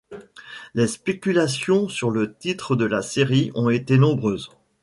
Les spéculations sur le titre de la série ont été nombreuses.